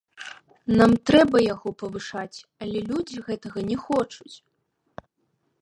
Нам трэба яго павышаць, але людзі гэтага не хочуць.